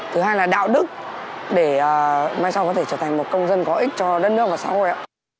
thứ hai là đạo đức để mai sau có thể trở thành một công dân có ích cho đất nước và xã hội